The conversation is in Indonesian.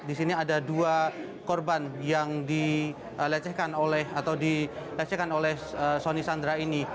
di sini ada dua korban yang dilecehkan oleh soni sandra ini